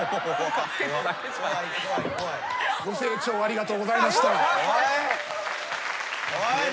ご清聴ありがとうございました。